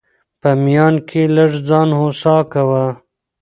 په ميان کي لږ ځان هوسا کوه!